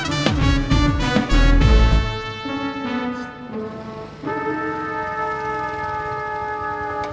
tidak ada yang bisa dihentikan